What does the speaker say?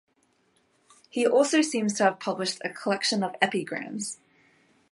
He also seems to have published a collection of epigrams.